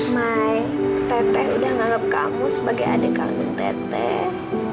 mai teteh udah menganggap kamu sebagai adik kandung teteh